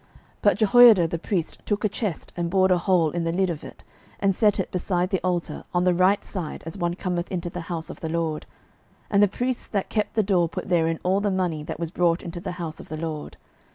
12:012:009 But Jehoiada the priest took a chest, and bored a hole in the lid of it, and set it beside the altar, on the right side as one cometh into the house of the LORD: and the priests that kept the door put therein all the money that was brought into the house of the LORD.